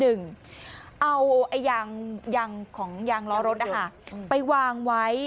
เอายางของยางล้อรถไปวางไว้